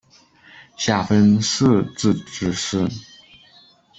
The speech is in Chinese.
下分四自治市。